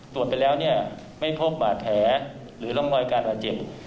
ตรวจไปแล้วไม่พบหมาดแผลหรือร่องรอยการหมาดเจ็บ